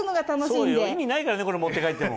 そうよ意味ないからねこれ持って帰っても。